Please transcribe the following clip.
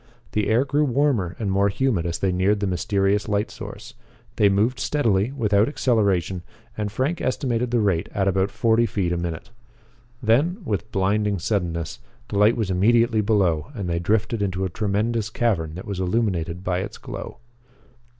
The air grew warmer and more humid as they neared the mysterious light source. They moved steadily, without acceleration, and Frank estimated the rate at about forty feet a minute. Then, with blinding suddenness, the light was immediately below and they drifted into a tremendous cavern that was illuminated by its glow.